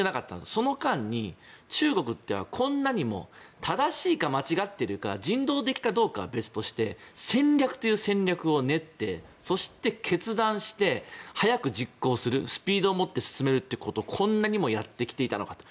その間に中国って、こんなにも正しいか間違っているか人道的かどうかは別として戦略という戦略を練って、そして決断して早く実行するスピードを持って進めるということをこんなにもやってきていたのかと。